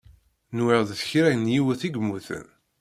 Nwiɣ d kra n yiwet i yemmuten.